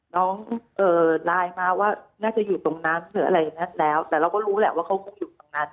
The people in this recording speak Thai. เอ่อไลน์มาว่าน่าจะอยู่ตรงนั้นหรืออะไรอย่างนั้นแล้วแต่เราก็รู้แหละว่าเขาคงอยู่ตรงนั้น